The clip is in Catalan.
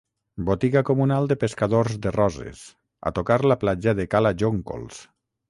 Botiga comunal de pescadors de Roses, a tocar la platja de Cala Jóncols.